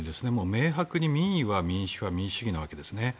明白に民意は民主化民主主義なわけですね。